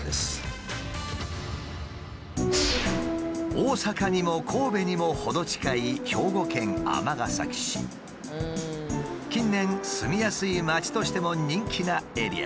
大阪にも神戸にも程近い近年住みやすい街としても人気なエリア。